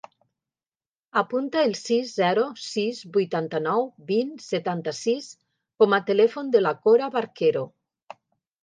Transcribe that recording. Apunta el sis, zero, sis, vuitanta-nou, vint, setanta-sis com a telèfon de la Cora Barquero.